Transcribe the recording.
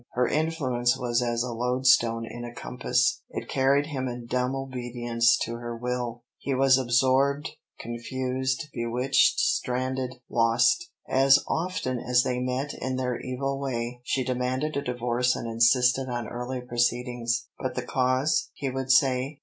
Her influence was as a loadstone in a compass, it carried him in dumb obedience to her will. He was absorbed, confused, bewitched, stranded, lost! As often as they met in their evil way, she demanded a divorce and insisted on early proceedings. "But the cause?" he would say.